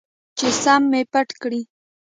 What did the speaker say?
چې سم مې پټ کړي.